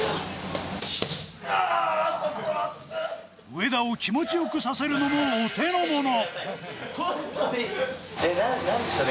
上田を気持ちよくさせるのもお手のもの。